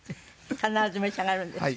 必ず召し上がるんですか？